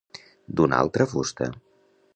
D'una altra fusta.